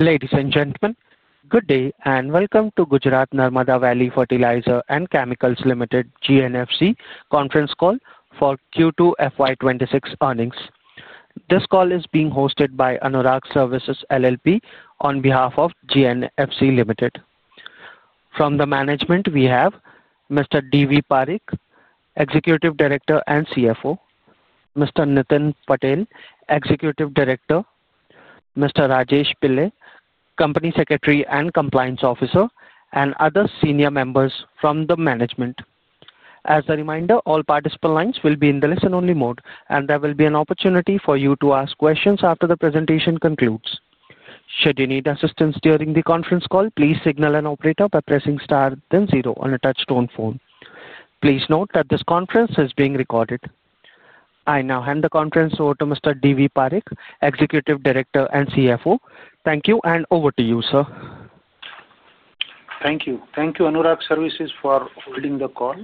Ladies and gentlemen, good day and welcome to Gujarat Narmada Valley Fertilizers and Chemicals Limited, GNFC, conference call for Q2 FY 2026 earnings. This call is being hosted by Anurag Services LLP on behalf of GNFC. From the management, we have Mr. D.V. Parikh, Executive Director and CFO; Mr. Nitin Patel, Executive Director; Mr. Rajesh Pillai, Company Secretary and Compliance Officer; and other senior members from the management. As a reminder, all participant lines will be in the listen-only mode, and there will be an opportunity for you to ask questions after the presentation concludes. Should you need assistance during the conference call, please signal an operator by pressing star then zero on a touch-tone phone. Please note that this conference is being recorded. I now hand the conference over to Mr. D.V. Parikh, Executive Director and CFO. Thank you, and over to you, sir. Thank you. Thank you, Anurag Services, for holding the call.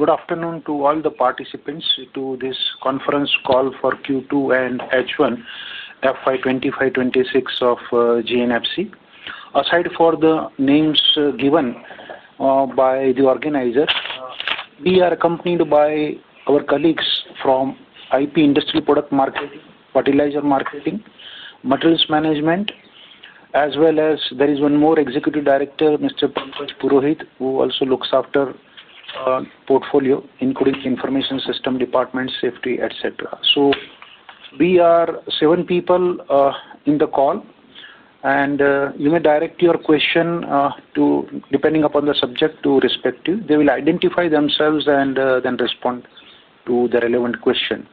Good afternoon to all the participants to this conference call for Q2 and H1 FY 2025-2026 of GNFC. Aside from the names given by the organizer, we are accompanied by our colleagues from IP Industry Product Marketing, Fertilizer Marketing, Materials Management, as well as there is one more Executive Director, Mr. Pankaj Purohit, who also looks after portfolio, including Information system department, safety, etc. We are seven people in the call, and you may direct your question depending upon the subject to respect you. They will identify themselves and then respond to the relevant question.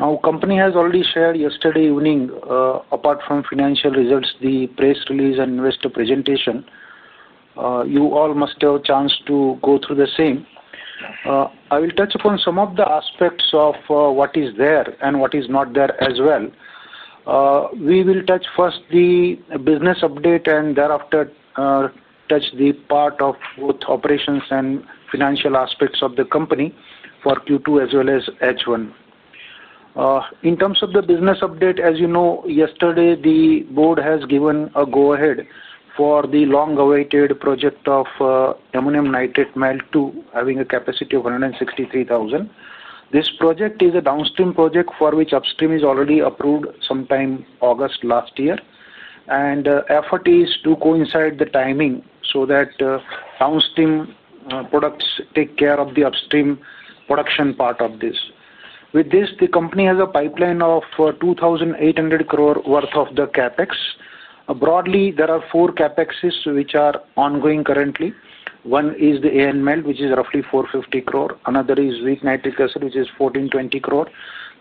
Now, the company has already shared yesterday evening, apart from financial results, the press release and investor presentation. You all must have a chance to go through the same. I will touch upon some of the aspects of what is there and what is not there as well. We will touch first the business update and thereafter touch the part of both operations and financial aspects of the company for Q2 as well as H1. In terms of the business update, as you know, yesterday the board has given a go-ahead for the long-awaited project of ammonium nitrate melt to having a capacity of 163,000. This project is a downstream project for which upstream is already approved sometime in August last year, and the effort is to coincide the timing so that downstream products take care of the upstream production part of this. With this, the company has a pipeline of 2,800 crore worth of the CapEx. Broadly, there are four CapExes which are ongoing currently. One is the ANML, which is roughly 450 crore. Another is weak nitric acid, which is 1,420 crore.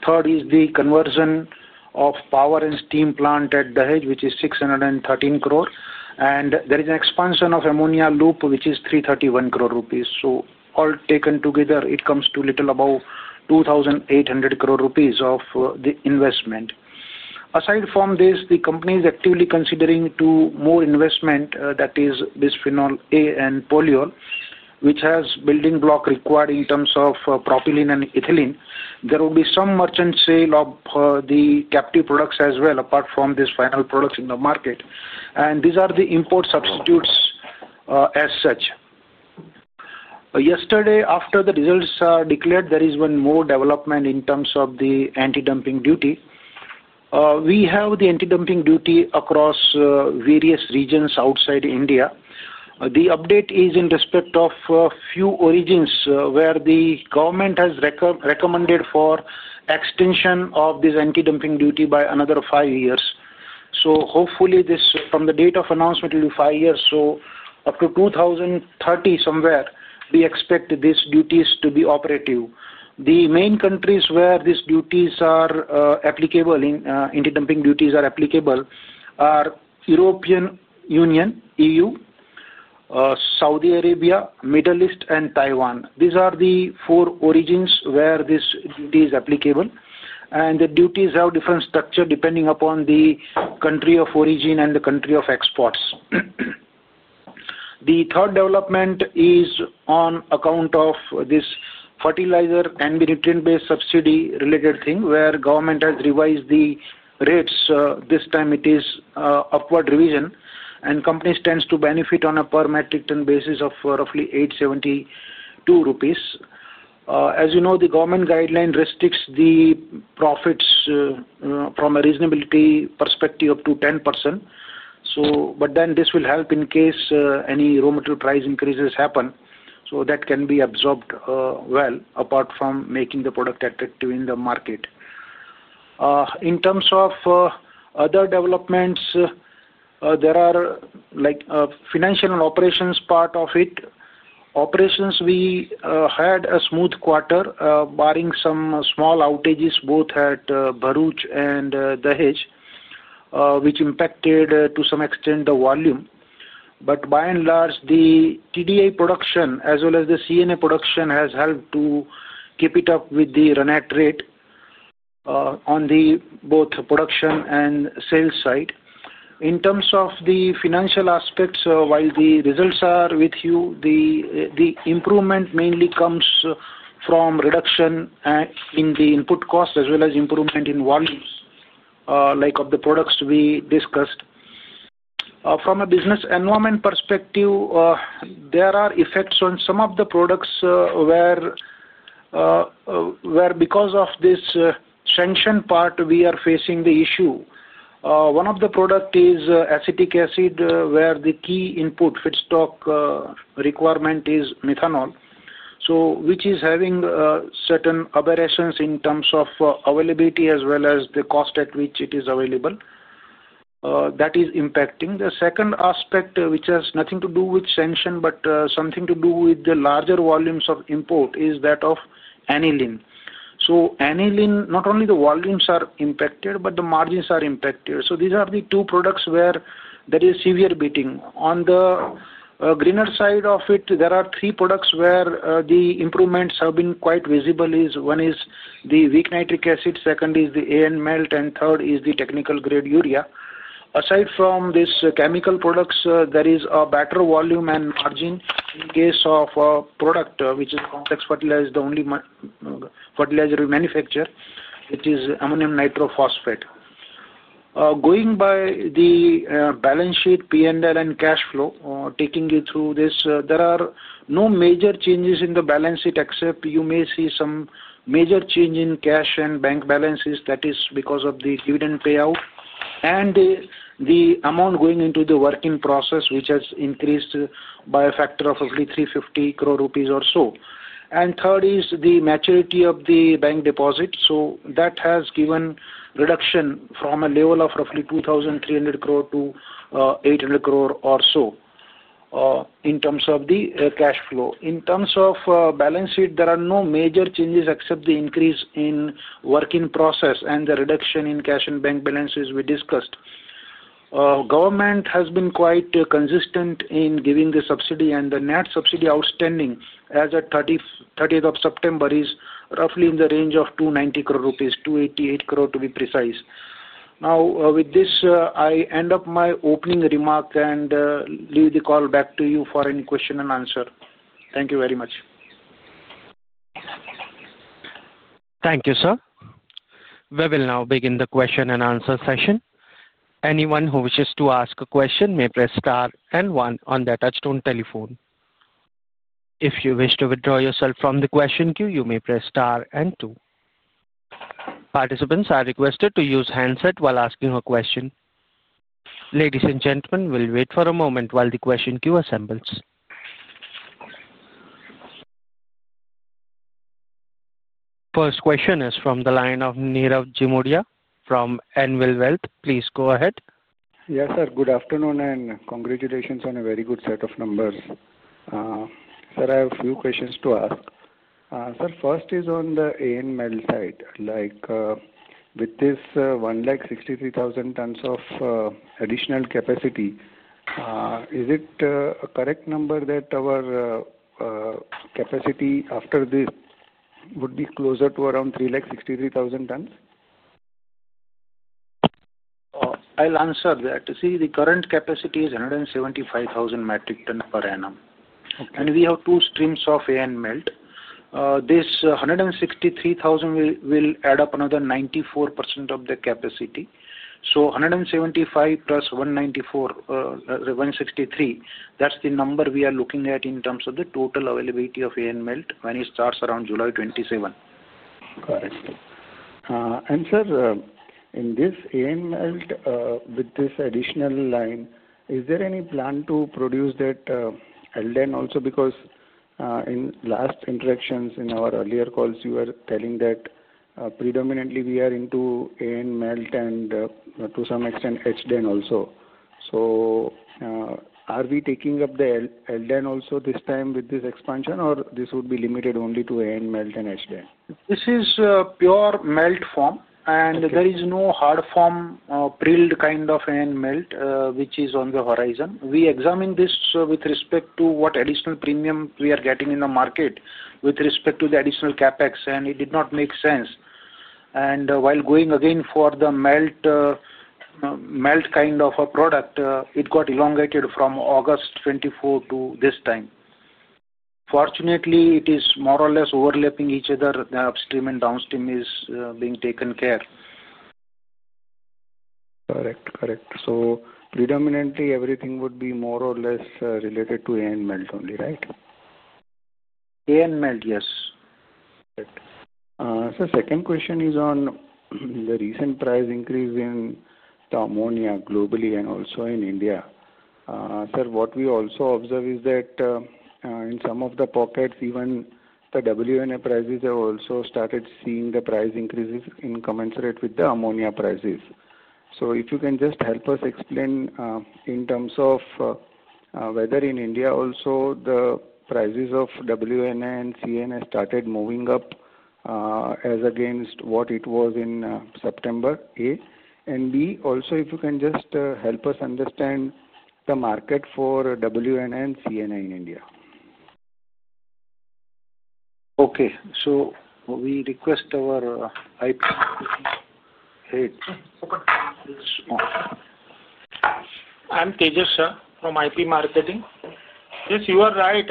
Third is the conversion of power and steam plant at Dahej, which is 613 crore. There is an expansion of ammonia loop, which is 331 crore rupees. All taken together, it comes to a little above 2,800 crore rupees of the investment. Aside from this, the company is actively considering more investment, that is this Bisphenol A and polyol, which has building block required in terms of propylene and ethylene. There will be some merchant sale of the captive products as well, apart from these final products in the market. These are the import substitutes as such. Yesterday, after the results are declared, there is one more development in terms of the anti-dumping duty. We have the anti-dumping duty across various regions outside India. The update is in respect of a few origins where the government has recommended for extension of this anti-dumping duty by another five years. Hopefully, from the date of announcement, it will be five years. Up to 2030 somewhere, we expect these duties to be operative. The main countries where these duties are applicable, anti-dumping duties are applicable, are European Union, EU, Saudi Arabia, Middle East, and Taiwan. These are the four origins where this duty is applicable. The duties have different structure depending upon the country of origin and the country of exports. The third development is on account of this fertilizer and the nutrient-based subsidy-related thing where government has revised the rates. This time, it is upward revision, and the company stands to benefit on a per metric ton basis of roughly 872 rupees. As you know, the government guideline restricts the profits from a reasonability perspective up to 10%. This will help in case any raw material price increases happen, so that can be absorbed well apart from making the product attractive in the market. In terms of other developments, there are financial and operations part of it. Operations, we had a smooth quarter barring some small outages both at Bharuch and Dahej, which impacted to some extent the volume. By and large, the TDI production as well as the CNA production has helped to keep it up with the run rate on both production and sales side. In terms of the financial aspects, while the results are with you, the improvement mainly comes from reduction in the input cost as well as improvement in volumes of the products we discussed. From a business environment perspective, there are effects on some of the products where because of this sanction part, we are facing the issue. One of the products is acetic acid where the key input feedstock requirement is methanol, which is having certain aberrations in terms of availability as well as the cost at which it is available. That is impacting. The second aspect, which has nothing to do with sanction but something to do with the larger volumes of import, is that of aniline. So aniline, not only the volumes are impacted, but the margins are impacted. These are the two products where there is severe beating. On the greener side of it, there are three products where the improvements have been quite visible. One is the weak nitric acid, second is the ANML, and third is the technical grade urea. Aside from these chemical products, there is a better volume and margin in case of a product which is a complex fertilizer, the only fertilizer we manufacture, which is ammonium nitrophosphate. Going by the balance sheet, P&L, and cash flow, taking you through this, there are no major changes in the balance sheet except you may see some major change in cash and bank balances. That is because of the dividend payout and the amount going into the working process, which has increased by a factor of roughly 350 crore rupees or so. Third is the maturity of the bank deposit. That has given reduction from a level of roughly 2,300 crore to 800 crore or so in terms of the cash flow. In terms of balance sheet, there are no major changes except the increase in working process and the reduction in cash and bank balances we discussed. Government has been quite consistent in giving the subsidy and the net subsidy outstanding as of 30th of September is roughly in the range of 290 crore rupees, 288 crore to be precise. Now, with this, I end up my opening remark and leave the call back to you for any question and answer. Thank you very much. Thank you, sir. We will now begin the question and answer session. Anyone who wishes to ask a question may press star and one on the touchstone telephone. If you wish to withdraw yourself from the question queue, you may press star and two. Participants are requested to use handset while asking a question. Ladies and gentlemen, we'll wait for a moment while the question queue assembles. First question is from the line of Nirav Jimudia from Anvil Wealth. Please go ahead. Yes, sir. Good afternoon and congratulations on a very good set of numbers. Sir, I have a few questions to ask. Sir, first is on the ANML side. With this 163,000 tons of additional capacity, is it a correct number that our capacity after this would be closer to around 363,000 tons? I'll answer that. See, the current capacity is 175,000 metric tons per annum. We have two streams of ANML. This 163,000 will add up another 94% of the capacity. So 175,000 plus 163,000, that's the number we are looking at in terms of the total availability of ANML when it starts around July 27. Got it. Sir, in this ANML, with this additional line, is there any plan to produce that LDEN also? Because in last interactions in our earlier calls, you were telling that predominantly we are into ANML and to some extent HDEN also. Are we taking up the LDEN also this time with this expansion, or would this be limited only to ANML and HDEN? This is pure melt form, and there is no hard form, prilled kind of ANML, which is on the horizon. We examined this with respect to what additional premium we are getting in the market with respect to the additional CapEx, and it did not make sense. While going again for the melt kind of a product, it got elongated from August 2024 to this time. Fortunately, it is more or less overlapping each other. The upstream and downstream is being taken care. Correct. Correct. So predominantly everything would be more or less related to ANML only, right? ANML, yes. Good. Sir, second question is on the recent price increase in the ammonia globally and also in India. Sir, what we also observe is that in some of the pockets, even the WNA prices have also started seeing the price increases in commensurate with the ammonia prices. If you can just help us explain in terms of whether in India also the prices of WNA and CNA started moving up as against what it was in September. Also, if you can just help us understand the market for WNA and CNA in India. Okay. We request our IP marketing. I'm Tejas sir from IP marketing. Yes, you are right.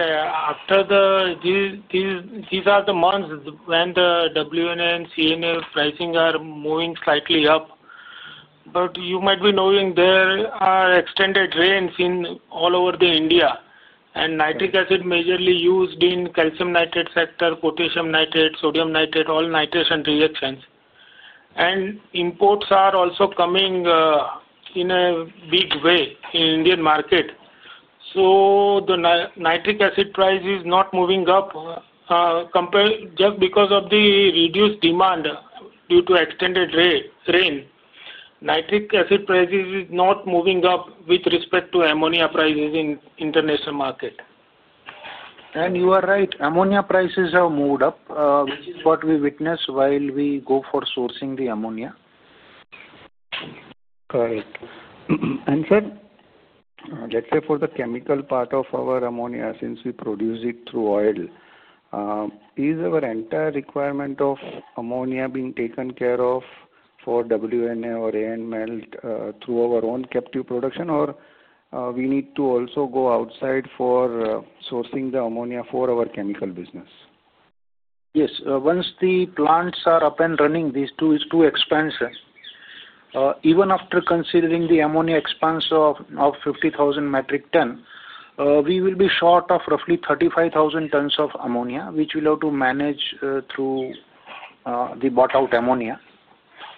These are the months when the WNA and CNA pricing are moving slightly up. You might be knowing there are extended rains all over India, and nitric acid is majorly used in calcium nitrate sector, potassium nitrate, sodium nitrate, all nitrogen reactions. Imports are also coming in a big way in the Indian market. The nitric acid price is not moving up just because of the reduced demand due to extended rain. Nitric acid prices are not moving up with respect to ammonia prices in the international market. You are right. Ammonia prices have moved up, which is what we witness while we go for sourcing the ammonia. Correct. Sir, let's say for the chemical part of our ammonia, since we produce it through oil, is our entire requirement of ammonia being taken care of for WNA or ANML through our own captive production, or do we need to also go outside for sourcing the ammonia for our chemical business? Yes. Once the plants are up and running, these two is too expensive. Even after considering the ammonia expense of 50,000 metric ton, we will be short of roughly 35,000 tons of ammonia, which we'll have to manage through the bought-out ammonia.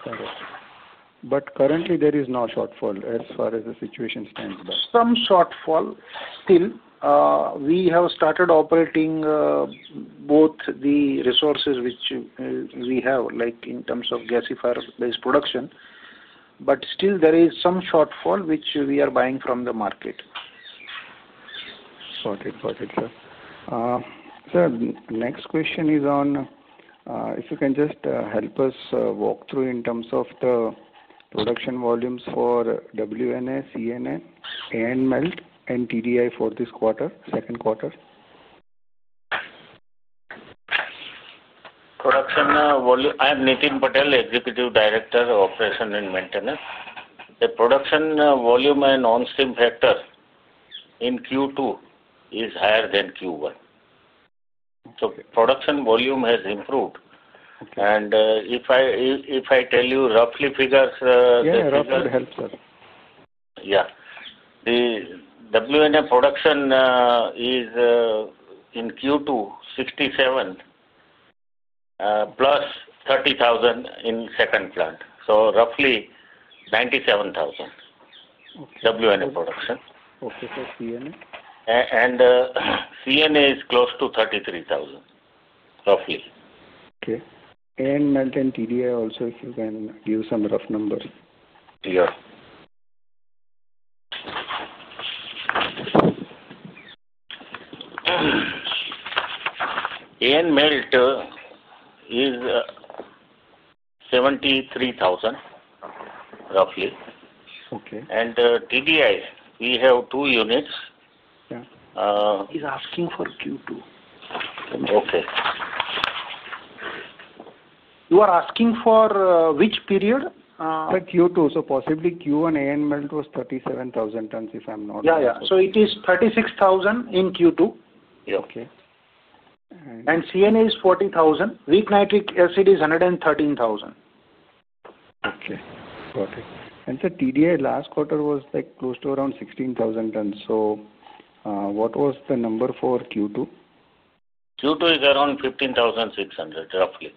Correct. Currently, there is no shortfall as far as the situation stands? Some shortfall still. We have started operating both the resources which we have in terms of gasifier-based production. Still, there is some shortfall which we are buying from the market. Got it. Got it, sir. Sir, next question is on if you can just help us walk through in terms of the production volumes for WNA, CNA, ANML, and TDI for this quarter, second quarter. I'm Nitin Patel, Executive Director, Operation and Maintenance. The production volume and on-stream factor in Q2 is higher than Q1. Production volume has improved. If I tell you roughly figures, the figure. Yeah, that would help, sir. Yeah. The WNA production is in Q2, 67 plus 30,000 in second plant. So roughly 97,000 WNA production. Okay. Okay, sir. CNA? CNA is close to 33,000, roughly. Okay. ANML and TDI also, if you can give some rough numbers. Yeah. ANML is 73,000, roughly. TDI, we have two units. He's asking for Q2. Okay. You are asking for which period? For Q2. So possibly Q1 ANML was 37,000 tons, if I'm not wrong. Yeah, yeah. It is 36,000 in Q2. Yeah. Okay. CNA is 40,000. Weak nitric acid is 113,000. Okay. Got it. Sir, TDI last quarter was close to around 16,000 tons. What was the number for Q2? Q2 is around 15,600, roughly.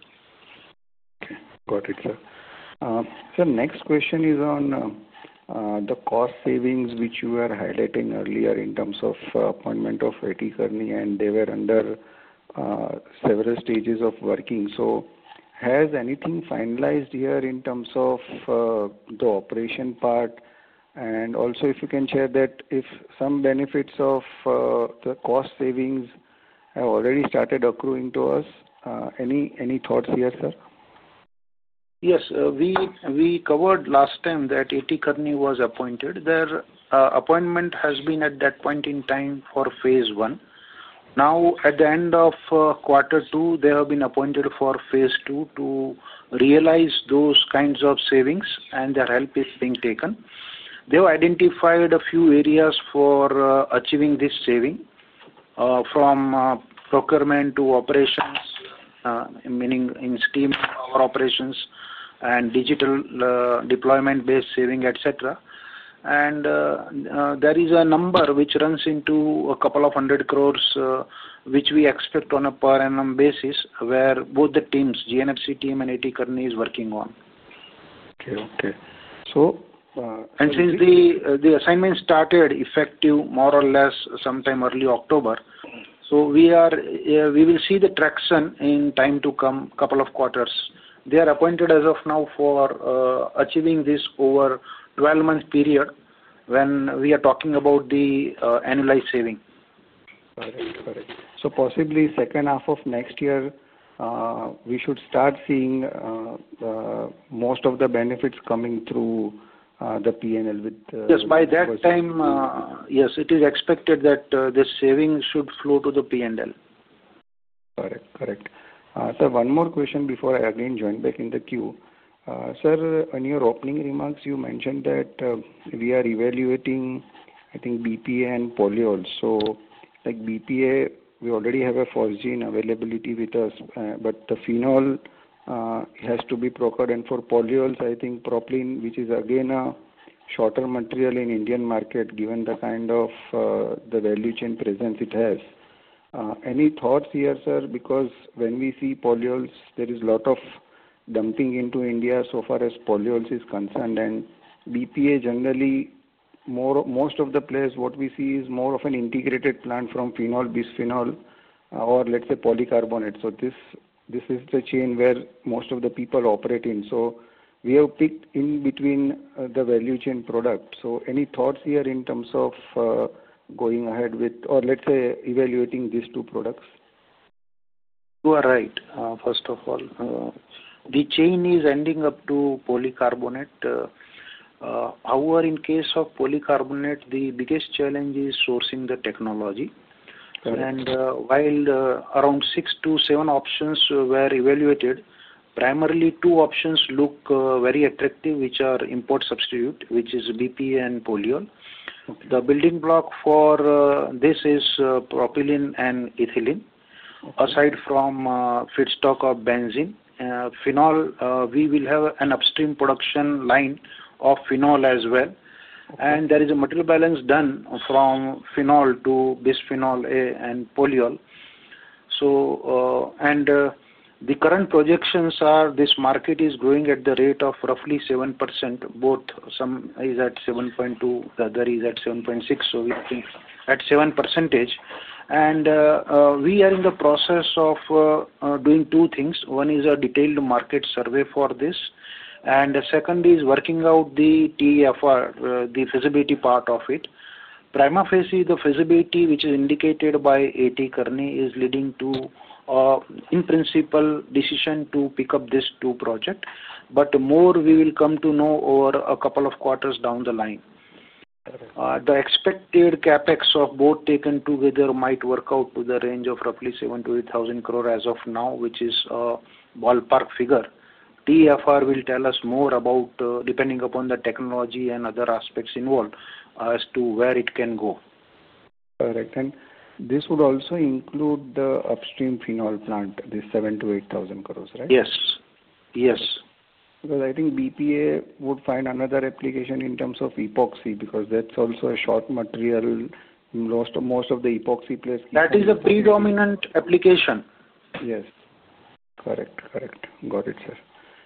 Okay. Got it, sir. Sir, next question is on the cost savings which you were highlighting earlier in terms of appointment of McKinsey, and they were under several stages of working. Has anything finalized here in terms of the operation part? Also, if you can share that if some benefits of the cost savings have already started accruing to us, any thoughts here, sir? Yes. We covered last time that McKinsey was appointed. Their appointment has been at that point in time for phase one. Now, at the end of quarter two, they have been appointed for phase two to realize those kinds of savings, and their help is being taken. They have identified a few areas for achieving this saving from procurement to operations, meaning in steam power operations and digital deployment-based saving, etc. There is a number which runs into a couple of hundred crore which we expect on a per annum basis where both the teams, GNFC team and McKinsey, are working on. Okay. Okay. So. Since the assignment started effective more or less sometime early October, we will see the traction in time to come, a couple of quarters. They are appointed as of now for achieving this over a 12-month period when we are talking about the annualized saving. Got it. Got it. So possibly second half of next year, we should start seeing most of the benefits coming through the P&L. Yes. By that time, yes, it is expected that the savings should flow to the P&L. Got it. Got it. Sir, one more question before I again join back in the queue. Sir, in your opening remarks, you mentioned that we are evaluating, I think, BPA and polyols. So BPA, we already have a 4G in availability with us, but the phenol has to be procured. For polyols, I think propylene, which is again a shorter material in the Indian market given the kind of value chain presence it has. Any thoughts here, sir? Because when we see polyols, there is a lot of dumping into India so far as polyols is concerned. BPA, generally, most of the players, what we see is more of an integrated plant from phenol, bisphenol, or let's say polycarbonate. This is the chain where most of the people operate in. We have picked in between the value chain product. Any thoughts here in terms of going ahead with or let's say evaluating these two products? You are right, first of all. The chain is ending up to polycarbonate. However, in case of polycarbonate, the biggest challenge is sourcing the technology. While around six to seven options were evaluated, primarily two options look very attractive, which are import substitute, which is BPA and polyol. The building block for this is propylene and ethylene, aside from a feedstock of benzene. Phenol, we will have an upstream production line of phenol as well. There is a material balance done from phenol to bisphenol A and polyol. The current projections are this market is growing at the rate of roughly 7%. Both some is at 7.2%, the other is at 7.6%, so we think at 7%. We are in the process of doing two things. One is a detailed market survey for this, and the second is working out the TEFR, the feasibility part of it. Primary phase is the feasibility, which is indicated by reticurni, is leading to, in principle, decision to pick up these two projects. More we will come to know over a couple of quarters down the line. The expected CapEx of both taken together might work out to the range of roughly 7,000-8,000 crore as of now, which is a ballpark figure. TEFR will tell us more about, depending upon the technology and other aspects involved, as to where it can go. Correct. This would also include the upstream phenol plant, the 7,000-8,000 crore, right? Yes. Yes. Because I think BPA would find another application in terms of epoxy because that's also a short material. Most of the epoxy place. That is a predominant application. Yes. Correct. Correct. Got it, sir.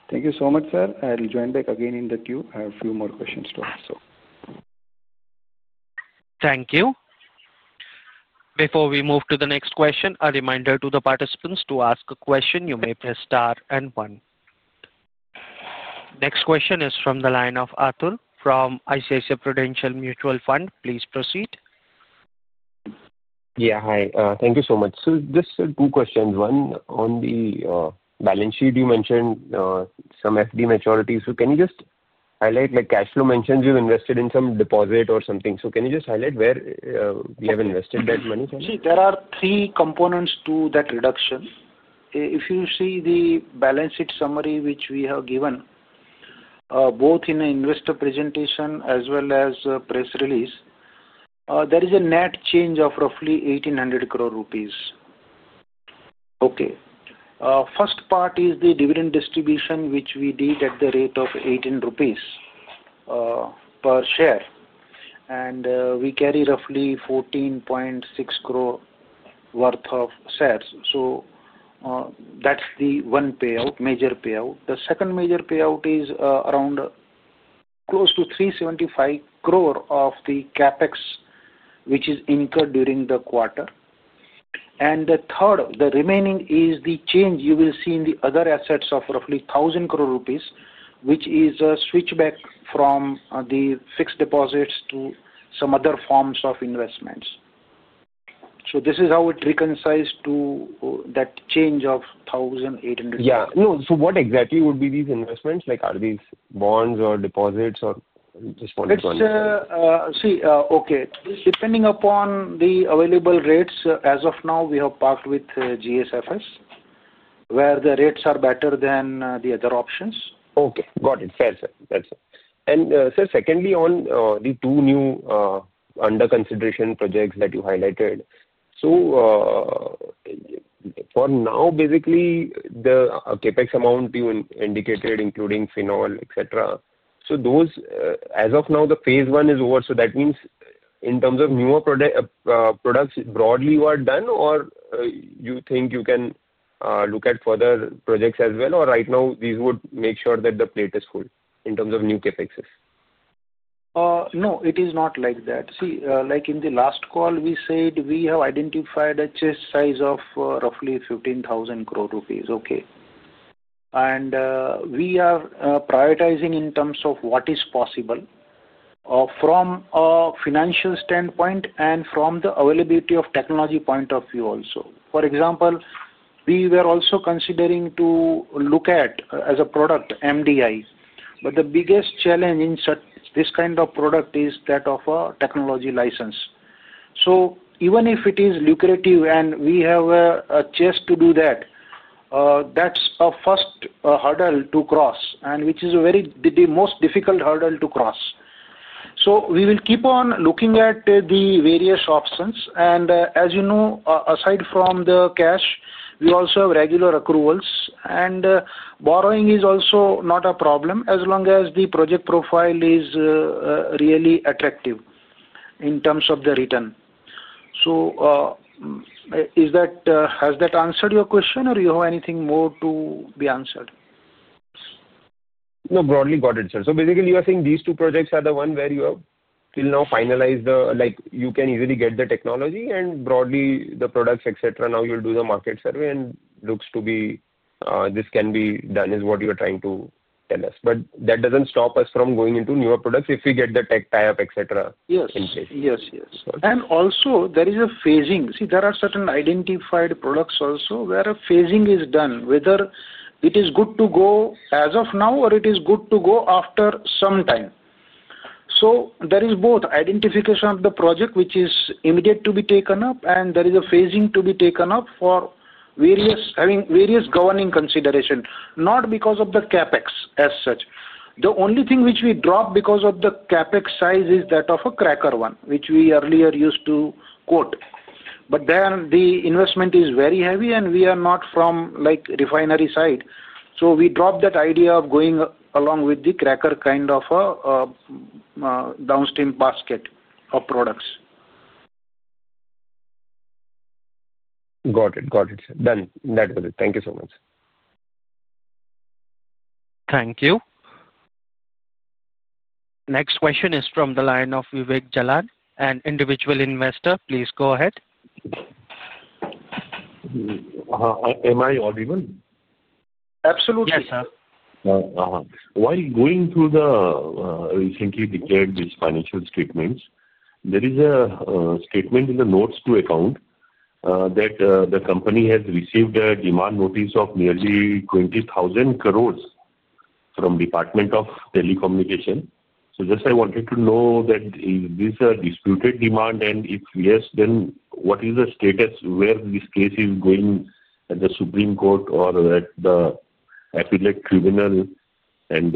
Thank you so much, sir. I'll join back again in the queue. I have a few more questions to ask. Thank you. Before we move to the next question, a reminder to the participants to ask a question. You may press star and one. Next question is from the line of Arthur from ICICI Prudential Mutual Fund. Please proceed. Yeah. Hi. Thank you so much. Just two questions. One, on the balance sheet, you mentioned some FD maturities. Can you just highlight, like Cashflow mentioned, you've invested in some deposit or something. Can you just highlight where you have invested that money? See, there are three components to that reduction. If you see the balance sheet summary which we have given, both in the investor presentation as well as the press release, there is a net change of roughly 1,800 crore rupees. Okay. First part is the dividend distribution, which we did at the rate of INR 18 per share. And we carry roughly 14.6 crore worth of shares. That is the one payout, major payout. The second major payout is around close to 375 crore of the CapEx, which is incurred during the quarter. The third, the remaining, is the change you will see in the other assets of roughly 1,000 crore rupees, which is a switchback from the fixed deposits to some other forms of investments. This is how it reconciles to that change of 1,800 crore. Yeah. No. So what exactly would be these investments? Are these bonds or deposits or just one? See, okay. Depending upon the available rates, as of now, we have parked with GSFC, where the rates are better than the other options. Okay. Got it. Fair, sir. That's fair. Sir, secondly, on the two new under consideration projects that you highlighted, for now, basically, the CapEx amount you indicated, including phenol, etc., those, as of now, phase one is over. That means in terms of newer products, broadly, you are done, or you think you can look at further projects as well? Right now, these would make sure that the plate is full in terms of new CapExes? No, it is not like that. See, like in the last call, we said we have identified a chest size of roughly 15,000 crore rupees. Okay. We are prioritizing in terms of what is possible from a financial standpoint and from the availability of technology point of view also. For example, we were also considering to look at, as a product, MDI. The biggest challenge in this kind of product is that of a technology license. Even if it is lucrative and we have a chance to do that, that is a first hurdle to cross, which is the most difficult hurdle to cross. We will keep on looking at the various options. As you know, aside from the cash, we also have regular accruals. Borrowing is also not a problem as long as the project profile is really attractive in terms of the return. Has that answered your question, or do you have anything more to be answered? No, broadly, got it, sir. So basically, you are saying these two projects are the one where you have till now finalized the you can easily get the technology and broadly the products, etc. Now you'll do the market survey, and it looks to be this can be done is what you are trying to tell us. That does not stop us from going into newer products if we get the tech tie-up, etc., in place. Yes. Yes. Yes. There is a phasing. See, there are certain identified products also where a phasing is done, whether it is good to go as of now or it is good to go after some time. There is both identification of the project, which is immediate to be taken up, and there is a phasing to be taken up for various governing consideration, not because of the CapEx as such. The only thing which we drop because of the CapEx size is that of a cracker one, which we earlier used to quote. The investment is very heavy, and we are not from refinery side. We drop that idea of going along with the cracker kind of a downstream basket of products. Got it. Got it, sir. Done. That was it. Thank you so much, sir. Thank you. Next question is from the line of Vivek Jalan, an individual investor. Please go ahead. Am I audible? Absolutely. Yes, sir. While going through the recently declared these financial statements, there is a statement in the notes to account that the company has received a demand notice of nearly 20,000 crore from the Department of Telecommunication. I just wanted to know that is this a disputed demand, and if yes, then what is the status where this case is going at the Supreme Court or at the appellate tribunal, and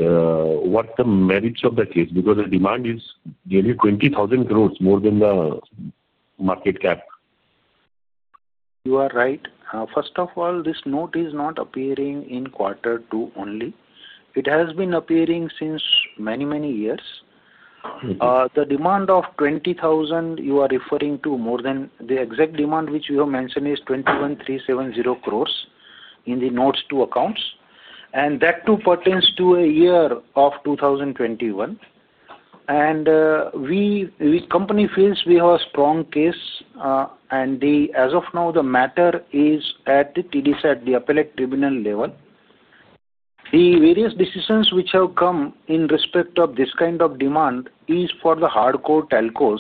what are the merits of the case? Because the demand is nearly 20,000 crore more than the market cap. You are right. First of all, this note is not appearing in quarter two only. It has been appearing since many, many years. The demand of 20,000 crore you are referring to, more than that, the exact demand which you have mentioned is 21,370 crore in the notes to accounts. That too pertains to the year 2021. The company feels we have a strong case, and as of now, the matter is at the TDSAT, the appellate tribunal level. The various decisions which have come in respect of this kind of demand are for the hardcore telcos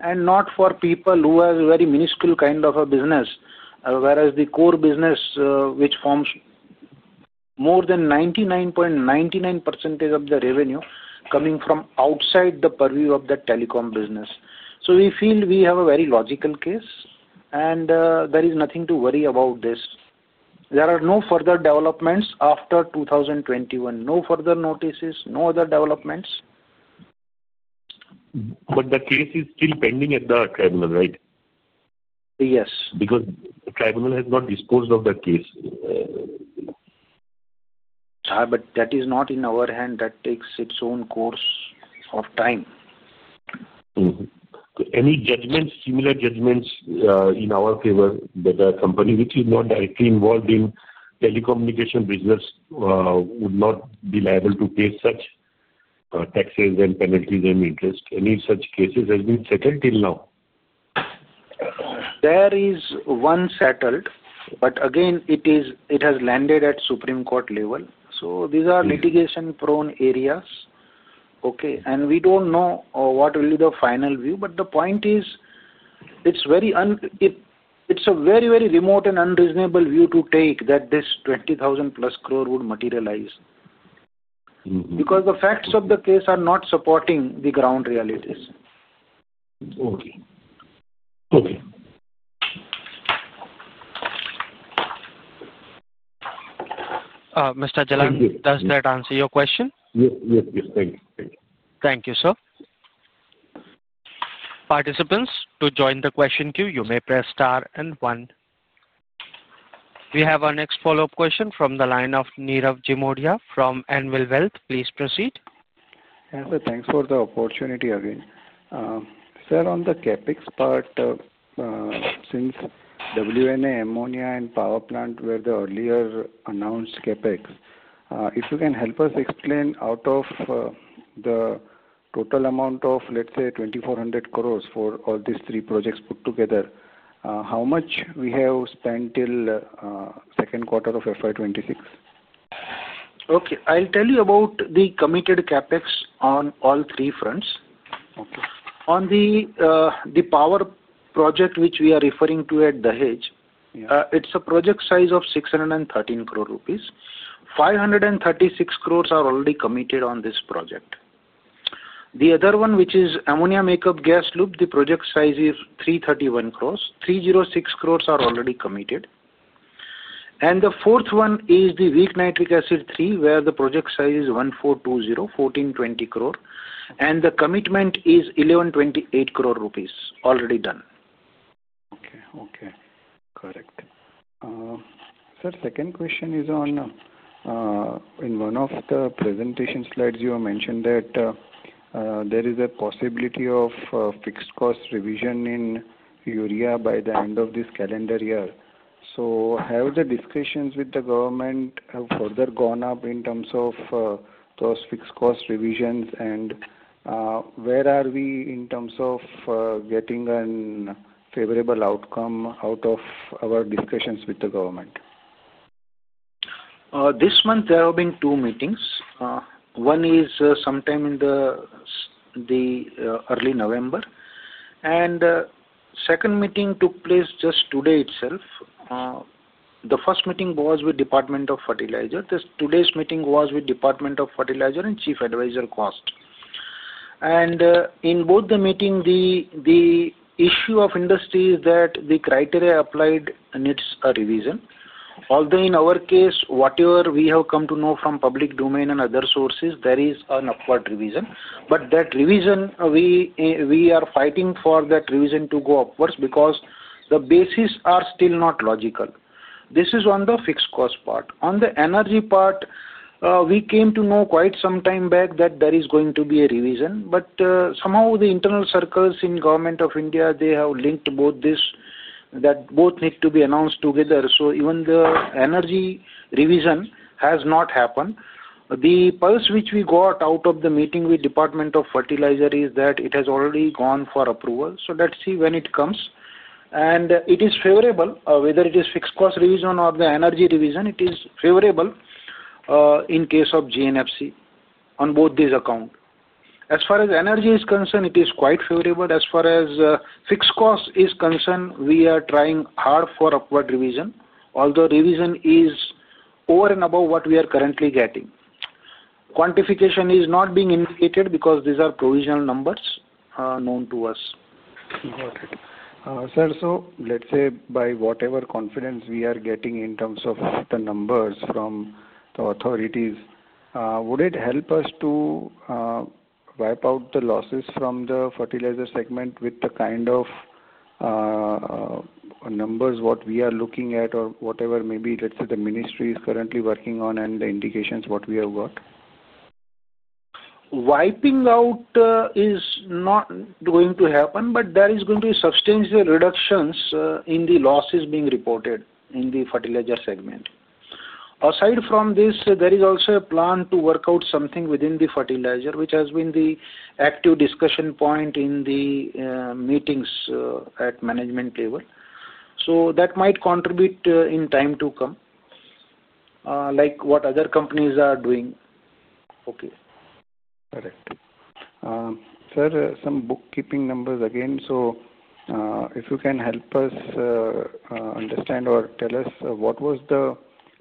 and not for people who have a very minuscule kind of a business, whereas the core business, which forms more than 99.99% of the revenue, is coming from outside the purview of the telecom business. We feel we have a very logical case, and there is nothing to worry about this. There are no further developments after 2021. No further notices, no other developments. The case is still pending at the tribunal, right? Yes. Because the tribunal has not disposed of that case. That is not in our hand. That takes its own course of time. Any judgments, similar judgments in our favor that a company which is not directly involved in telecommunication business would not be liable to pay such taxes and penalties and interest? Any such cases have been settled till now? There is one settled. Again, it has landed at Supreme Court level. These are litigation-prone areas. Okay. We do not know what will be the final view. The point is, it is a very, very remote and unreasonable view to take that this 20,000-plus crore would materialize because the facts of the case are not supporting the ground realities. Okay. Okay. Mr. Jalan, does that answer your question? Yes. Thank you. Thank you, sir. Participants, to join the question queue, you may press star and one. We have our next follow-up question from the line of Nirav Jimudia from Anvil Wealth. Please proceed. Thanks for the opportunity again. Sir, on the CapEx part, since WNA, Ammonia, and Power Plant were the earlier announced CapEx, if you can help us explain out of the total amount of, let's say, 2,400 crore for all these three projects put together, how much we have spent till second quarter of FY 2026? Okay. I'll tell you about the committed CapEx on all three fronts. On the power project which we are referring to at Dahej, it's a project size of 613 crore rupees. 536 crore are already committed on this project. The other one, which is ammonia makeup gas loop, the project size is 331 crore. 306 crore are already committed. The fourth one is the weak nitric acid III, where the project size is 1,420 crore. The commitment is 1,128 crore rupees already done. Okay. Okay. Correct. Sir, second question is on one of the presentation slides. You have mentioned that there is a possibility of fixed cost revision in urea by the end of this calendar year. Have the discussions with the government further gone up in terms of those fixed cost revisions, and where are we in terms of getting a favorable outcome out of our discussions with the government? This month, there have been two meetings. One is sometime in early November. The second meeting took place just today itself. The first meeting was with the Department of Fertilizer. Today's meeting was with the Department of Fertilizer and Chief Advisor Cost. In both the meetings, the issue of industry is that the criteria applied needs a revision. Although in our case, whatever we have come to know from public domain and other sources, there is an upward revision. That revision, we are fighting for that revision to go upwards because the bases are still not logical. This is on the fixed cost part. On the energy part, we came to know quite some time back that there is going to be a revision. Somehow, the internal circles in the Government of India, they have linked both this, that both need to be announced together. Even the energy revision has not happened. The pulse which we got out of the meeting with the Department of Fertilizer is that it has already gone for approval. Let's see when it comes. It is favorable, whether it is fixed cost revision or the energy revision, it is favorable in case of GNFC on both these accounts. As far as energy is concerned, it is quite favorable. As far as fixed cost is concerned, we are trying hard for upward revision. Although revision is over and above what we are currently getting. Quantification is not being indicated because these are provisional numbers known to us. Got it. Sir, let's say by whatever confidence we are getting in terms of the numbers from the authorities, would it help us to wipe out the losses from the fertilizer segment with the kind of numbers we are looking at or whatever, maybe, let's say, the ministry is currently working on and the indications we have got? Wiping out is not going to happen, but there is going to be substantial reductions in the losses being reported in the fertilizer segment. Aside from this, there is also a plan to work out something within the fertilizer, which has been the active discussion point in the meetings at management level. That might contribute in time to come, like what other companies are doing. Okay. Correct. Sir, some bookkeeping numbers again. If you can help us understand or tell us what was the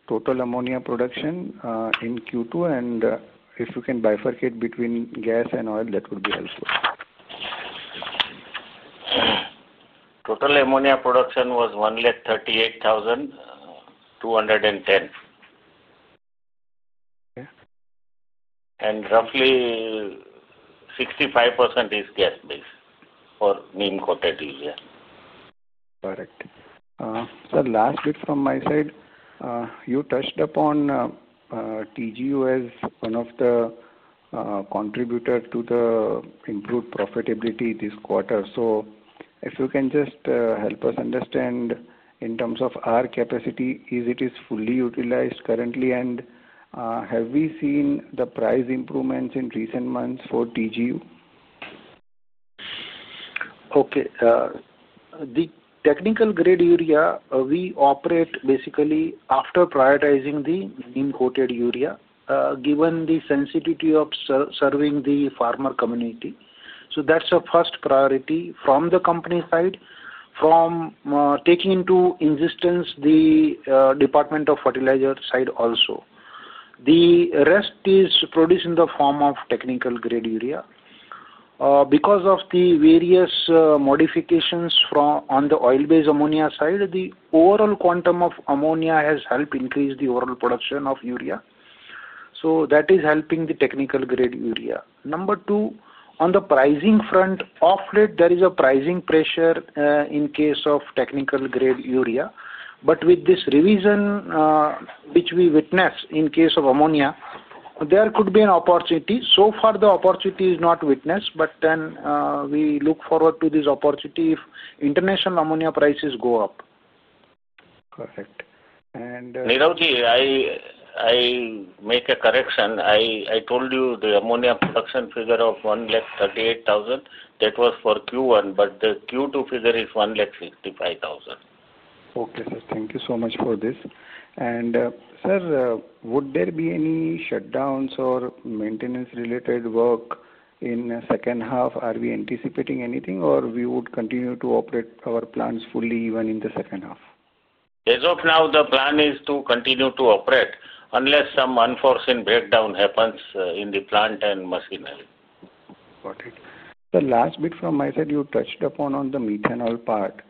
total ammonia production in Q2, and if you can bifurcate between gas and oil, that would be helpful. Total ammonia production was 138,210. And roughly 65% is gas-based for neem-coated urea. Correct. Sir, last bit from my side. You touched upon TGU as one of the contributors to the improved profitability this quarter. If you can just help us understand in terms of our capacity, is it fully utilized currently, and have we seen the price improvements in recent months for TGU? Okay. The technical-grade urea, we operate basically after prioritizing the neem-coated urea, given the sensitivity of serving the farmer community. That is a first priority from the company side, taking into existence the Department of Fertilizer side also. The rest is produced in the form of technical-grade urea. Because of the various modifications on the oil-based ammonia side, the overall quantum of ammonia has helped increase the overall production of urea. That is helping the technical-grade urea. Number two, on the pricing front, off late, there is a pricing pressure in case of technical-grade urea. With this revision, which we witnessed in case of ammonia, there could be an opportunity. So far, the opportunity is not witnessed, but we look forward to this opportunity if international ammonia prices go up. Correct. And. Neerav ji, I make a correction. I told you the ammonia production figure of 138,000, that was for Q1, but the Q2 figure is 165,000. Okay, sir. Thank you so much for this. Sir, would there be any shutdowns or maintenance-related work in the second half? Are we anticipating anything, or we would continue to operate our plants fully even in the second half? As of now, the plan is to continue to operate unless some unforeseen breakdown happens in the plant and machinery. Got it. Sir, last bit from my side. You touched upon the methanol part.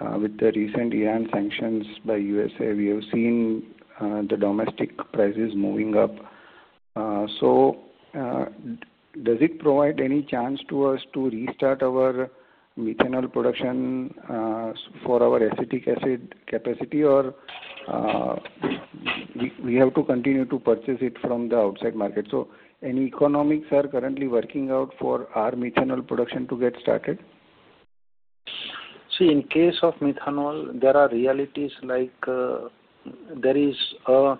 With the recent Iran sanctions by USA, we have seen the domestic prices moving up. Does it provide any chance to us to restart our methanol production for our acetic acid capacity, or do we have to continue to purchase it from the outside market? Are any economics currently working out for our methanol production to get started? See, in case of methanol, there are realities like there is an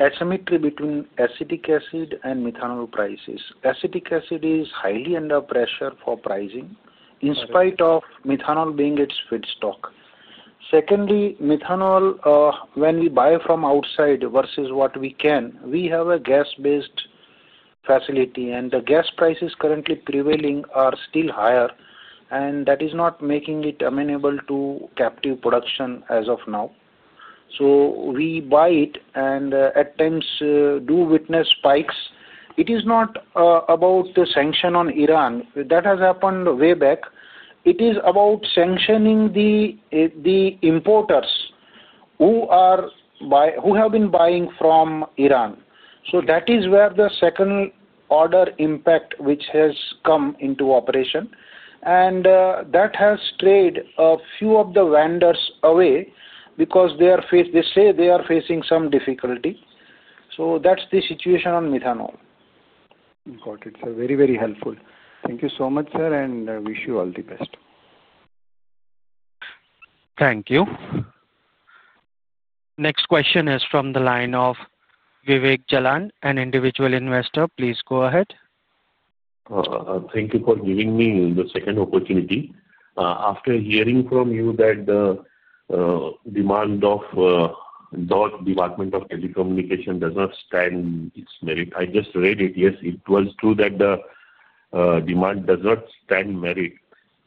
asymmetry between acetic acid and methanol prices. Acetic acid is highly under pressure for pricing, in spite of methanol being its feedstock. Secondly, methanol, when we buy from outside versus what we can, we have a gas-based facility, and the gas prices currently prevailing are still higher, and that is not making it amenable to captive production as of now. We buy it and at times do witness spikes. It is not about the sanction on Iran. That has happened way back. It is about sanctioning the importers who have been buying from Iran. That is where the second-order impact, which has come into operation, and that has strayed a few of the vendors away because they are facing some difficulty. That is the situation on methanol. Got it. Sir, very, very helpful. Thank you so much, sir, and wish you all the best. Thank you. Next question is from the line of Vivek Jalan, an individual investor. Please go ahead. Thank you for giving me the second opportunity. After hearing from you that the demand of DOT, Department of Telecommunication, does not stand its merit, I just read it. Yes, it was true that the demand does not stand merit,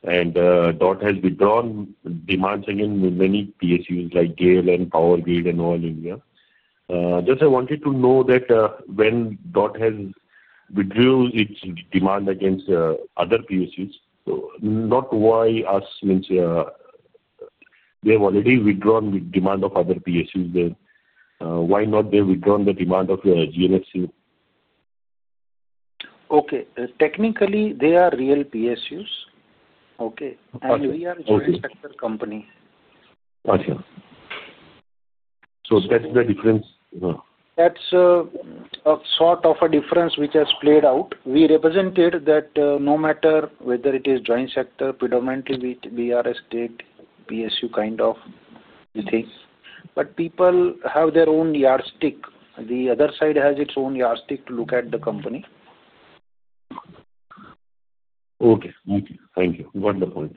and DOT has withdrawn demands against many PSUs like GAIL, Power Grid, and all India. Just I wanted to know that when DOT has withdrawn its demand against other PSUs, so not why us, since they have already withdrawn demand of other PSUs, then why not they withdrawn the demand of GNFC? Okay. Technically, they are real PSUs. Okay. And we are a joint venture company. Yeah. So that's the difference. That's a sort of a difference which has played out. We represented that no matter whether it is joint sector, predominantly we are a state PSU kind of thing. People have their own yardstick. The other side has its own yardstick to look at the company. Okay. Okay. Thank you. Got the point.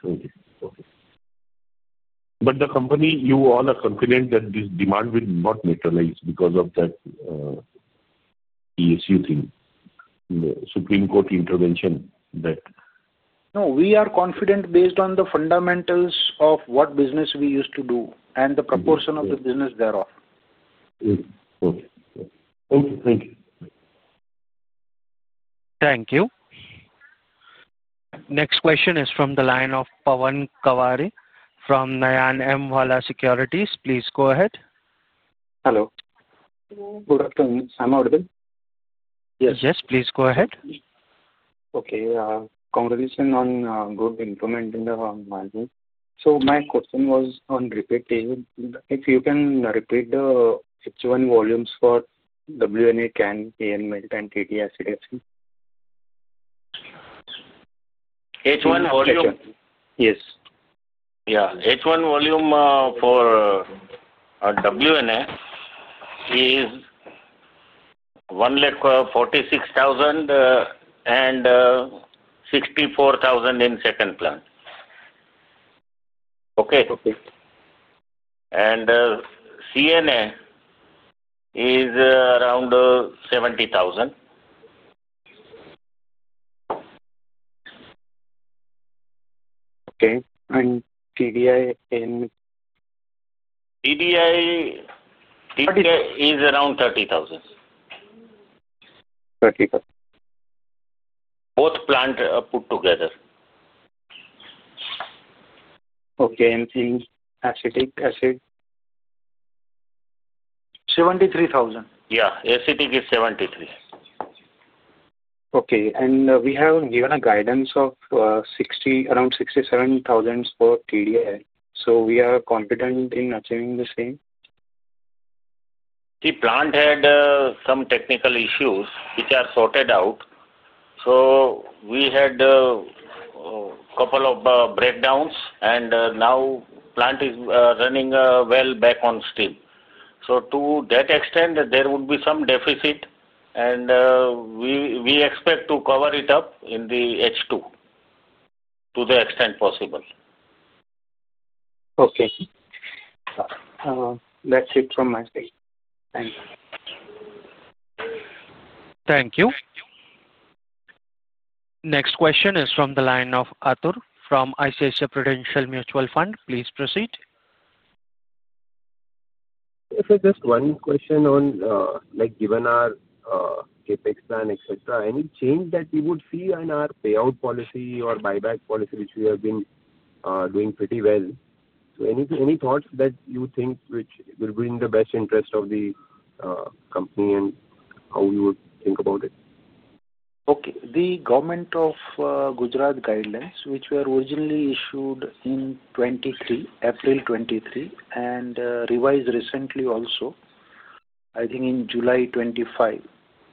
Okay. Okay. The company, you all are confident that this demand will not materialize because of that PSU thing, the Supreme Court intervention that? No, we are confident based on the fundamentals of what business we used to do and the proportion of the business thereof. Okay. Thank you. Thank you. Next question is from the line of Pavan Kaware from Nayan M Wala Securities. Please go ahead. Hello. Good afternoon. Sam Auduben. Yes. Yes. Please go ahead. Okay. Congratulations on good implementing the management. My question was on repeat table. If you can repeat the H1 volumes for WNA, CNA, ANML, and acetic acid. H1 volume? Yes. Yeah. H1 volume for WNA is 146,000 and 64,000 in second plant. Okay? Okay. CNA is around 70,000. Okay. TDI in? TDI is around 30,000. 30,000. Both plant put together. Okay. And CNA, acetic acid? 73,000. Yeah. Acetic is 73. Okay. We have given a guidance of around 67,000 for TDI. We are confident in achieving the same. The plant had some technical issues which are sorted out. We had a couple of breakdowns, and now plant is running well back on steam. To that extent, there would be some deficit, and we expect to cover it up in the H2 to the extent possible. Okay. That's it from my side. Thank you. Thank you. Next question is from the line of Arthur from ICICI Prudential Mutual Fund. Please proceed. Sir, just one question on given our CapEx plan, etc., any change that we would see in our payout policy or buyback policy which we have been doing pretty well? Any thoughts that you think which will bring the best interest of the company and how you would think about it? Okay. The Government of Gujarat guidelines, which were originally issued in 2023, April 2023, and revised recently also, I think in July 2025,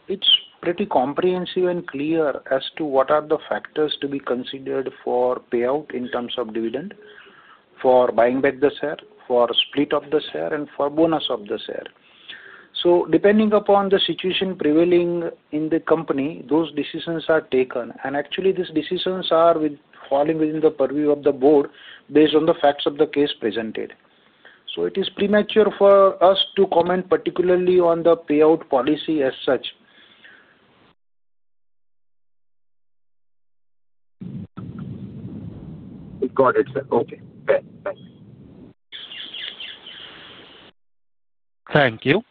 are pretty comprehensive and clear as to what are the factors to be considered for payout in terms of dividend, for buying back the share, for split of the share, and for bonus of the share. Depending upon the situation prevailing in the company, those decisions are taken. Actually, these decisions are falling within the purview of the board based on the facts of the case presented. It is premature for us to comment particularly on the payout policy as such. Got it, sir. Okay. Thanks. Thank you.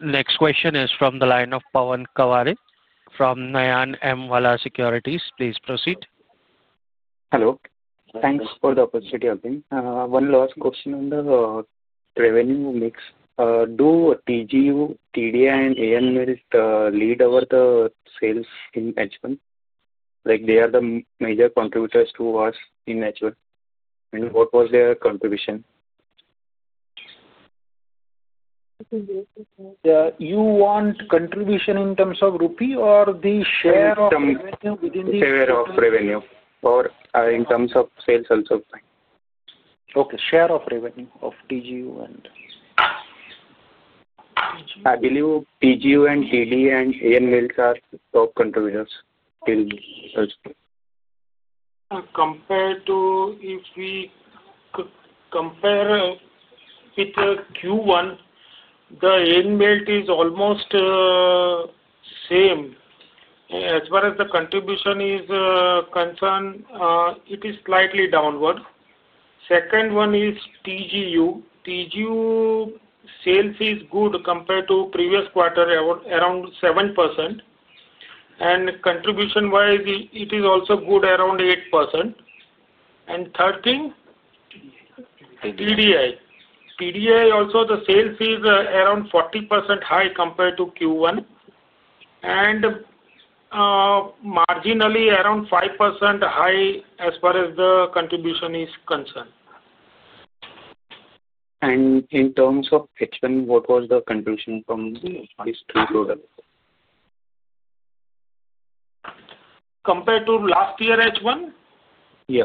Next question is from the line of Pavan Kaware from Nayan M Wala Securities. Please proceed. Hello. Thanks for the opportunity to help me. One last question on the revenue mix. Do TGU, TDI, and ANML lead over the sales in H1? They are the major contributors to us in H1. What was their contribution? You want contribution in terms of rupee or the share of revenue? Share of revenue or in terms of sales also? Okay. Share of revenue of TGU and. I believe TGU and TDI and ANML are top contributors till. Compared to if we compare with Q1, the ANML is almost same. As far as the contribution is concerned, it is slightly downward. Second one is TGU. TGU sales is good compared to previous quarter, around 7%. Contribution-wise, it is also good, around 8%. Third thing, TDI. TDI also, the sales is around 40% high compared to Q1, and marginally around 5% high as far as the contribution is concerned. In terms of H1, what was the contribution from this Q1? Compared to last year H1? Yeah.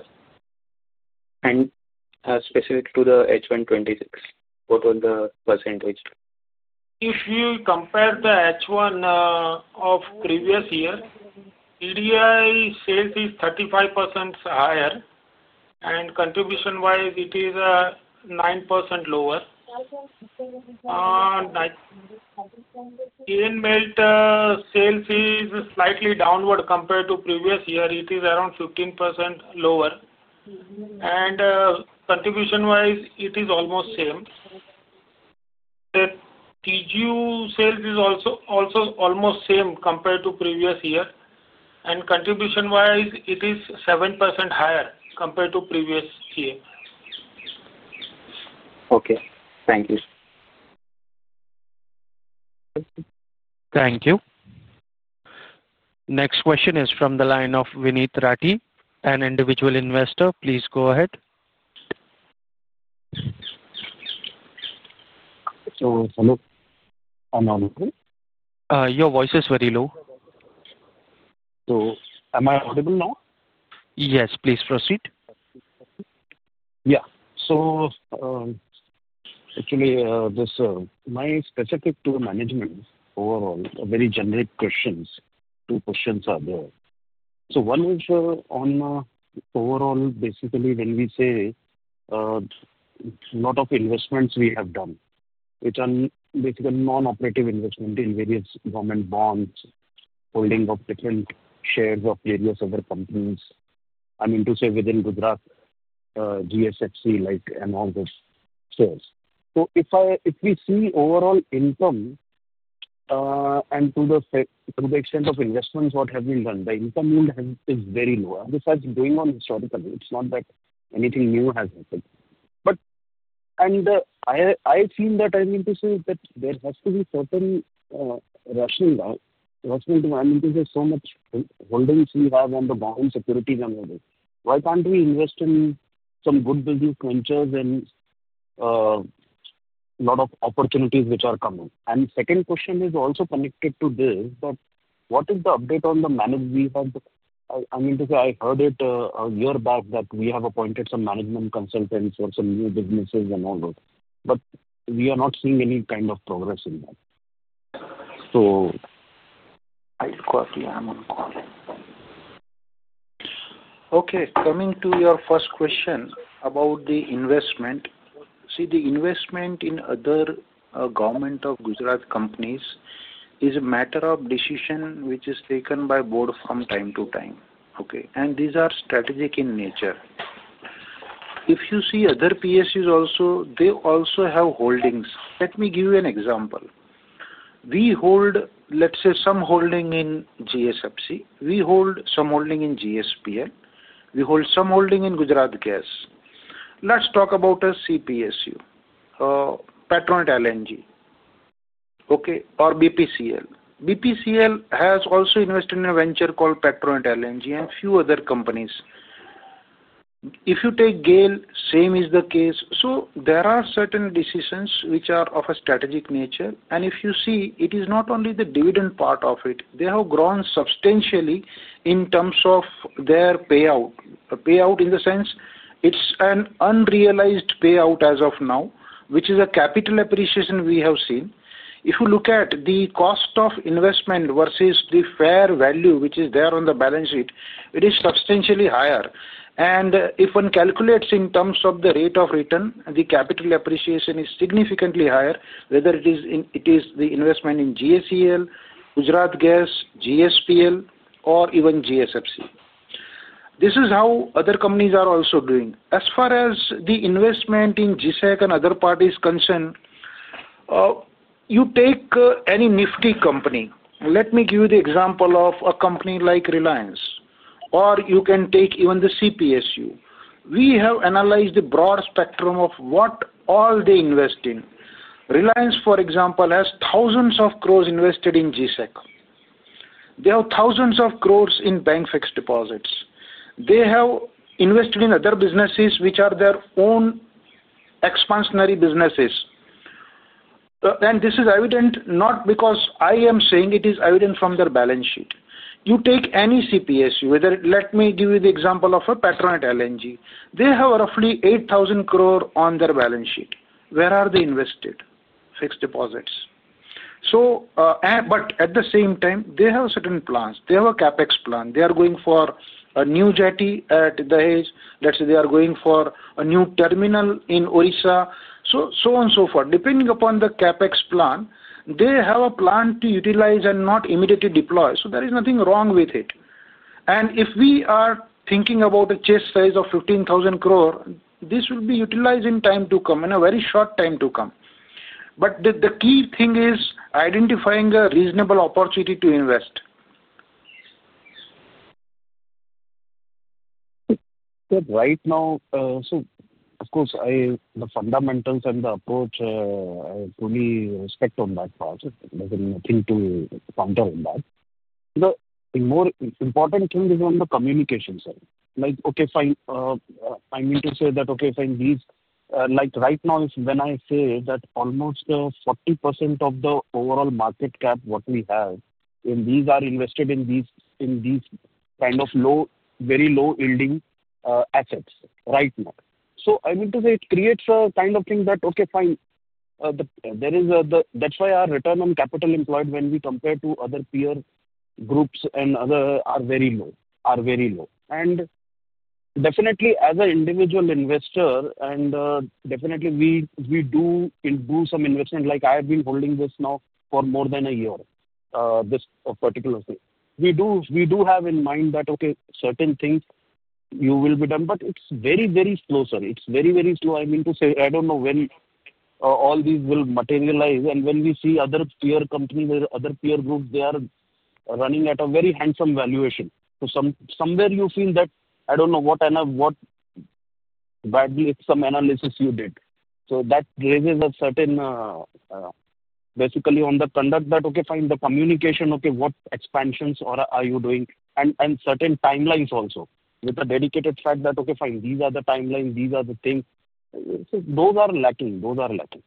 Specific to the H1 2026, what was the percentage? If you compare the H1 of previous year, TDI sales is 35% higher, and contribution-wise, it is 9% lower. ANML sales is slightly downward compared to previous year. It is around 15% lower. Contribution-wise, it is almost same. TGU sales is also almost same compared to previous year. Contribution-wise, it is 7% higher compared to previous year. Okay. Thank you. Thank you. Next question is from the line of Vineet Rati, an individual investor. Please go ahead. Hello. Your voice is very low. Am I audible now? Yes. Please proceed. Yeah. Actually, my specific to management overall, very generic questions. Two questions are there. One is on overall, basically, when we say a lot of investments we have done, which are basically non-operative investment in various government bonds, holding of different shares of various other companies, I mean, to say within Gujarat, GSFC, and all those shares. If we see overall income and to the extent of investments what have been done, the income yield is very low. This has been going on historically. It's not that anything new has happened. I feel that I need to say that there has to be certain rational, rational to, I mean, to say so much holdings we have on the bond securities and all this. Why can't we invest in some good business ventures and a lot of opportunities which are coming? Second question is also connected to this, but what is the update on the management we have? I mean, to say I heard it a year back that we have appointed some management consultants for some new businesses and all those. We are not seeing any kind of progress in that. I am on call. Okay. Coming to your first question about the investment. See, the investment in other government of Gujarat companies is a matter of decision which is taken by board from time to time. These are strategic in nature. If you see other PSUs also, they also have holdings. Let me give you an example. We hold, let's say, some holding in GSFC. We hold some holding in GSPL. We hold some holding in Gujarat Gas. Let's talk about a CPSU, Petronet LNG, or BPCL. BPCL has also invested in a venture called Petronet LNG and a few other companies. If you take GAIL, same is the case. There are certain decisions which are of a strategic nature. If you see, it is not only the dividend part of it. They have grown substantially in terms of their payout. Payout in the sense it's an unrealized payout as of now, which is a capital appreciation we have seen. If you look at the cost of investment versus the fair value which is there on the balance sheet, it is substantially higher. If one calculates in terms of the rate of return, the capital appreciation is significantly higher, whether it is the investment in GSPL, Gujarat Gas, GSFC, or even GSFC. This is how other companies are also doing. As far as the investment in GSEC and other parties concerned, you take any Nifty company. Let me give you the example of a company like Reliance, or you can take even the CPSU. We have analyzed the broad spectrum of what all they invest in. Reliance, for example, has thousands of crores invested in GSEC. They have thousands of crores in bank fixed deposits. They have invested in other businesses which are their own expansionary businesses. This is evident not because I am saying it is evident from their balance sheet. You take any CPSU, whether let me give you the example of a Petronet LNG. They have roughly 8,000 crore on their balance sheet. Where are they invested? Fixed deposits. At the same time, they have certain plans. They have a CapEx plan. They are going for a new jetty at the Hajj. Let's say they are going for a new terminal in Orissa. So on and so forth. Depending upon the CapEx plan, they have a plan to utilize and not immediately deploy. There is nothing wrong with it. If we are thinking about a chest size of 15,000 crore, this will be utilized in time to come, in a very short time to come. The key thing is identifying a reasonable opportunity to invest. Right now, of course, the fundamentals and the approach, I fully respect on that part. There is nothing to counter on that. The more important thing is on the communication side. Okay, fine. I mean to say that, okay, fine, these right now, when I say that almost 40% of the overall market cap what we have, and these are invested in these kind of very low-yielding assets right now. I mean to say it creates a kind of thing that, okay, fine, that is why our return on capital employed when we compare to other peer groups and others are very low. Definitely, as an individual investor, and definitely, we do some investment. I have been holding this now for more than a year, this particular thing. We do have in mind that, okay, certain things will be done, but it is very, very slow, sir. It is very, very slow. I mean to say I do not know when all these will materialize. When we see other peer companies, other peer groups, they are running at a very handsome valuation. Somewhere you feel that I do not know what badly some analysis you did. That raises a certain basically on the conduct that, okay, fine, the communication, okay, what expansions are you doing? Certain timelines also with a dedicated fact that, okay, fine, these are the timelines, these are the things. Those are lacking. Those are lacking.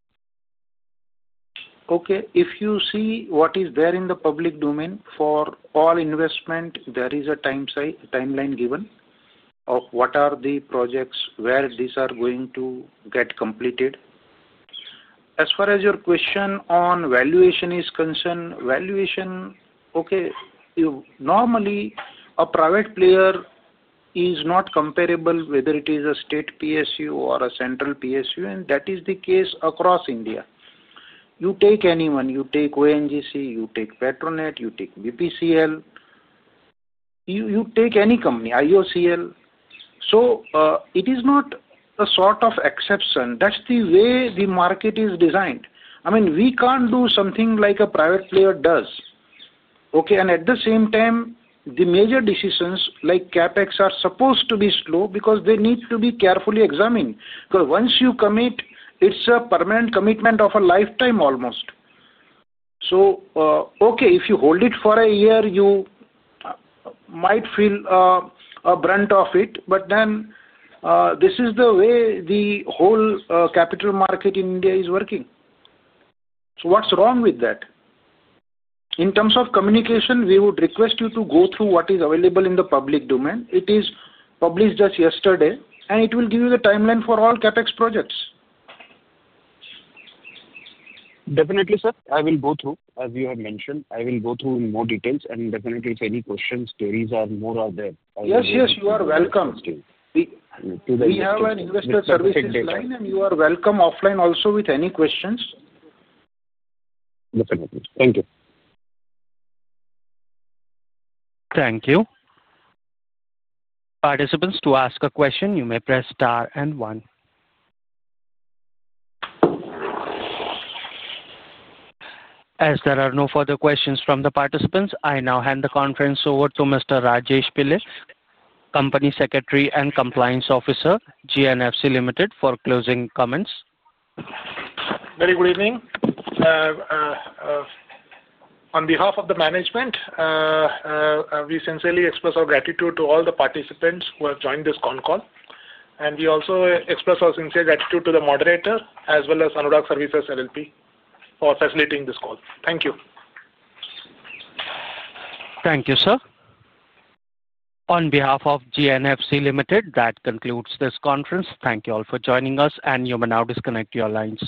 Okay. If you see what is there in the public domain for all investment, there is a timeline given of what are the projects, where these are going to get completed. As far as your question on valuation is concerned, valuation, okay, normally, a private player is not comparable whether it is a state PSU or a central PSU, and that is the case across India. You take anyone. You take ONGC, you take Petronet, you take BPCL, you take any company, IOCL. It is not a sort of exception. That is the way the market is designed. I mean, we can't do something like a private player does. Okay. At the same time, the major decisions like CapEx are supposed to be slow because they need to be carefully examined. Because once you commit, it's a permanent commitment of a lifetime almost. If you hold it for a year, you might feel a brunt of it, but then this is the way the whole capital market in India is working. What's wrong with that? In terms of communication, we would request you to go through what is available in the public domain. It is published just yesterday, and it will give you the timeline for all CapEx projects. Definitely, sir. I will go through, as you have mentioned. I will go through in more details, and definitely, if any questions, queries are more out there. Yes, yes. You are welcome. We have an investor service line, and you are welcome offline also with any questions. Definitely. Thank you. Thank you. Participants to ask a question, you may press star and one. As there are no further questions from the participants, I now hand the conference over to Mr. Rajesh Pillai, Company Secretary and Compliance Officer, GNFC, for closing comments. Very good evening. On behalf of the management, we sincerely express our gratitude to all the participants who have joined this phone call. We also express our sincere gratitude to the moderator as well as Anurag Services LLP for facilitating this call. Thank you. Thank you, sir. On behalf of GNFC, that concludes this conference. Thank you all for joining us, and you may now disconnect your lines.